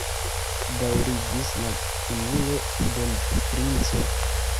daŭrigis la kunulo de l' princo.